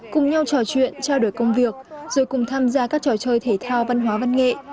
cùng nhau trò chuyện trao đổi công việc rồi cùng tham gia các trò chơi thể thao văn hóa văn nghệ